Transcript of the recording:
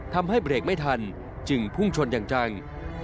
ทำให้เบรกไม่ทันจึงพุ่งชนอย่างจัง